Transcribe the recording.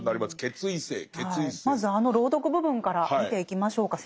まずあの朗読部分から見ていきましょうか。